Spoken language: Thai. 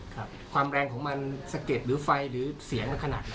ความแรงของมันสะเก็ดหรือไฟหรือเสียงมันขนาดไหน